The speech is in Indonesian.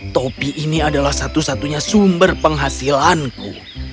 topi ini adalah satu satunya sumber penghasilanku